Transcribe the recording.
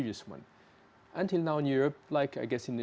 dia akan memiliki pilihan ke depannya